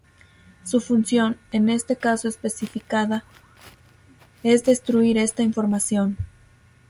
Su función, en este caso especificada, es destruir esta información.